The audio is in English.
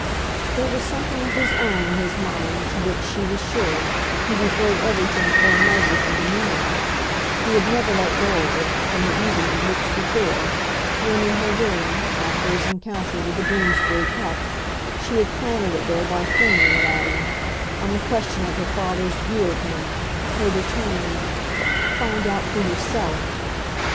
There was something of his own in his mind, to which, she was sure, he referred everything for a measure and a meaning; he had never let go of it, from the evening, weeks before, when, in her room, after his encounter with the Bloomsbury cup, she had planted it there by flinging it at him, on the question of her father's view of him, her determined "Find out for yourself!"